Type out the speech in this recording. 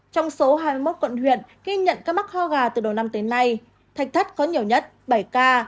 trong số hai mươi một quận huyện ghi nhận ca mắc ho gà từ đầu năm đến nay thạch thất có nhiều nhất bảy ca